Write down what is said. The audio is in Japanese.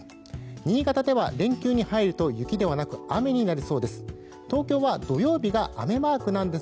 新潟では連休に入ると雪ではなく雨になりそうです。